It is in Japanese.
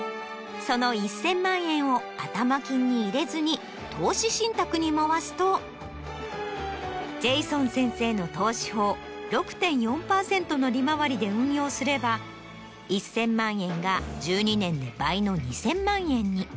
その１０００万円を頭金に入れずに投資信託に回すとジェイソン先生の投資法６．４％の利回りで運用すれば１０００万円が１２年で倍の２０００万円に。